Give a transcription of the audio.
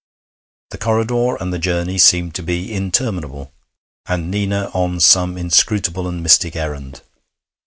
The corridor and the journey seemed to be interminable, and Nina on some inscrutable and mystic errand.